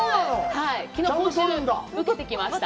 講習を受けてきました。